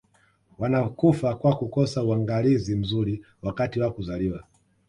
wanakufa kwa kukosa uangalizi mzuri wakati wa kuzaliwa